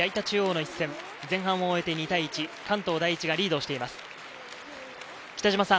中央の一戦、前半を終えて２対１、関東第一がリードしています。